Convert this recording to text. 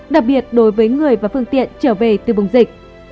đặc biệt đối với người và phương tiện trở về từ vùng dịch